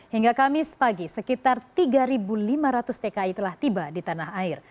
hingga kamis pagi sekitar tiga lima ratus tki telah tiba di tanah air